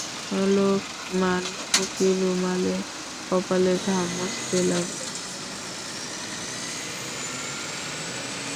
লোকমান ফকির রুমালে কপালের ঘাম মুছতে লাগল।